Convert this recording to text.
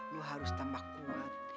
lo harus tambah kuat